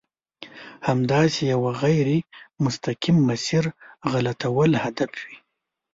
د همداسې یوه غیر مستقیم مسیر غلطول هدف وي.